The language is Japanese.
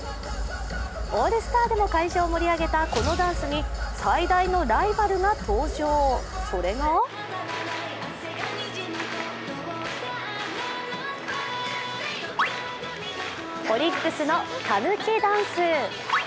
オールスターでも会場を盛り上げたこのダンスに最大のライバルが登場、それがオリックスのたぬきダンス。